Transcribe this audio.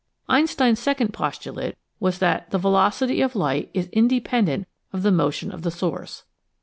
Einstein's second postulate was that the velocity of light is independent of the motion of the source.